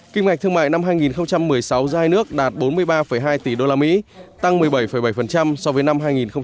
kinh ngạch thương mại năm hai nghìn một mươi sáu ra hai nước đạt bốn mươi ba hai tỷ đô la mỹ tăng một mươi bảy bảy so với năm hai nghìn một mươi năm